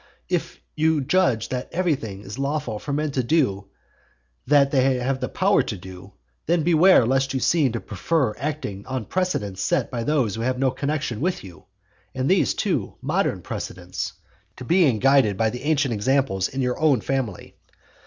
If you judge that everything is lawful for men to do that they have the power to do, then beware lest you seem to prefer acting on precedents set by those who have no connexion with you, and these, too, modern precedents, to being guided by the ancient examples in your own family.